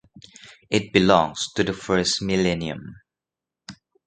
It belongs to the first millennium.